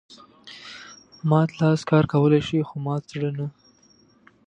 مات لاس کار کولای شي خو مات زړه نه.